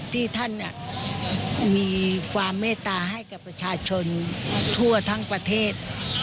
ที่ท่านมีความเมตตาให้กับประชาชนทั่วทั้งประเทศ